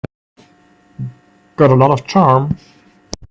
Got a lot of charm.